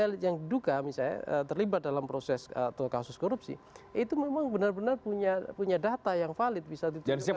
elit yang diduga misalnya terlibat dalam proses atau kasus korupsi itu memang benar benar punya data yang valid bisa ditunjukkan